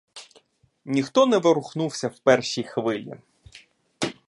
Ніхто не ворухнувся в першій хвилі.